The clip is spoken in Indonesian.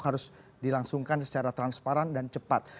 harus dilangsungkan secara transparan dan cepat